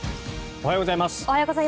おはようございます。